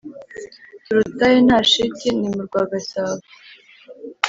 Turutahe nta shiti ni mu rwagasabo